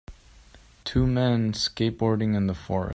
Two men skateboarding in the forest.